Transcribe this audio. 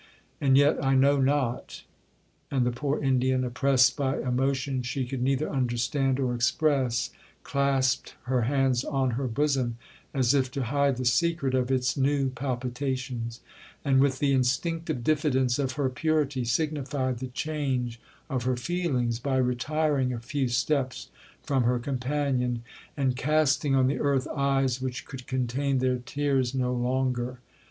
And yet I know not—' And the poor Indian, oppressed by emotions she could neither understand or express, clasped her hands on her bosom, as if to hide the secret of its new palpitations, and, with the instinctive diffidence of her purity, signified the change of her feelings, by retiring a few steps from her companion, and casting on the earth eyes which could contain their tears no longer.